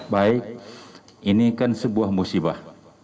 baik ini kan sebuah musibah